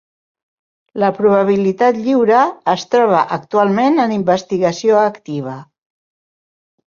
La probabilitat lliure es troba actualment en investigació activa.